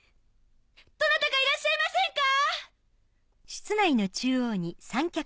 どなたかいらっしゃいませんか？